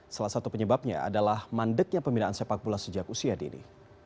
salah satu penyebabnya adalah mandeknya pembinaan sepak bola sejak usia dini